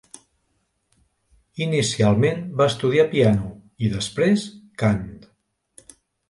Inicialment va estudiar piano i després cant.